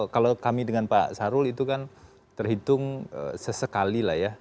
kalau kami dengan pak sarul itu kan terhitung sesekali lah ya